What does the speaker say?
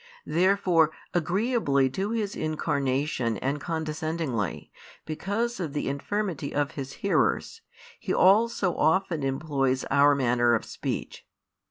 Therefore, agreeably to His Incarnation and condescendingly, because of the infirmity of His hearers, He also often employs our manner of speech.